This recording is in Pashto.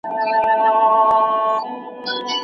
ټولنپوهنه د سولې او ورورولۍ پیغام لري.